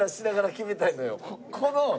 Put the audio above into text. この。